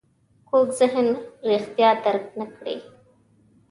کوږ ذهن رښتیا درک نه کړي